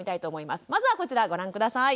まずはこちらご覧下さい。